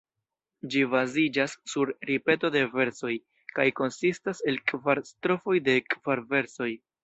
Ĝi baziĝas sur ripeto de versoj, kaj konsistas el kvar strofoj de kvar versoj.